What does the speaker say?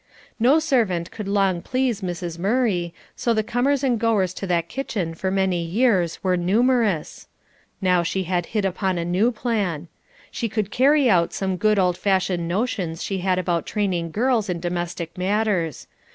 No servant could long please Mrs. Murray, so the comers and goers to that kitchen for many years were numerous. Now she had hit upon a new plan. She could carry out some good old fashioned notions she had about training girls in domestic matters.